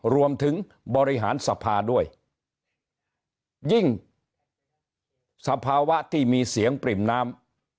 บริหารสภาด้วยยิ่งสภาวะที่มีเสียงปริ่มน้ำ